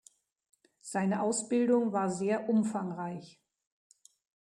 Seine Ausbildung war sehr umfangreich.